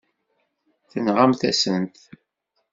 Tenɣamt-asen-t.